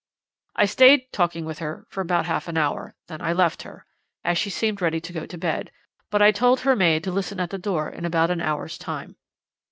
"'I stayed talking with her for about half an hour; then I left her, as she seemed ready to go to bed; but I told her maid to listen at the door in about an hour's time.'